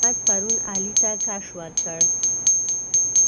احمد پرون علي ته کش ورکړ.